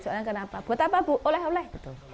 soalnya kenapa buat apa bu oleh oleh